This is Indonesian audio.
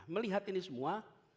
melihat ini semua